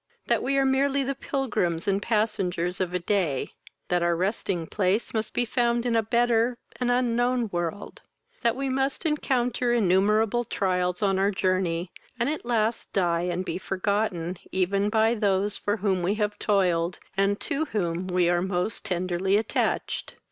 that we are merely the pilgrims and passengers of a day, that our resting place must be found in a better, an unknown world, that we must encounter innumerable trials on our journey, and at last die and be forgotten, even by those for whom we have toiled, and to whom we are most tenderly attached?